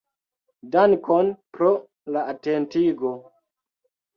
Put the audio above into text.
Dankon pro la atentigo!